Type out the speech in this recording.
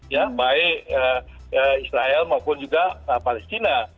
ya baik israel maupun juga palestina